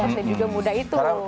dan juga mudah itu